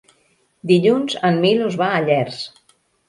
Dilluns en Milos va a Llers.